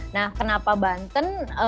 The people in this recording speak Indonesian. nah kenapa banten